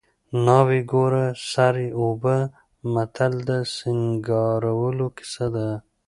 ناوې ګوره سر یې اوبه متل د سینګارولو کیسه ده